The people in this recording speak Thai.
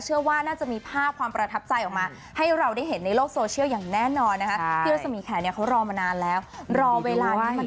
เชื่อว่าน่าจะมีภาพความประทับใจออกมา